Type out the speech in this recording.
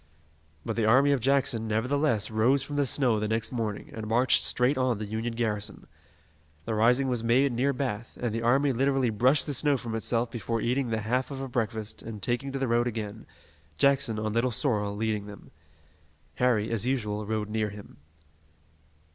But the army of Jackson, nevertheless, rose from the snow the next morning, and marched straight on the Union garrison. The rising was made near Bath, and the army literally brushed the snow from itself before eating the half of a breakfast, and taking to the road again, Jackson, on Little Sorrel, leading them. Harry, as usual, rode near him.